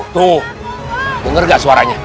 tuh denger gak suaranya